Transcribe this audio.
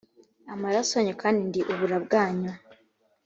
amaraso yanyu kandi ndi ubura bwanyu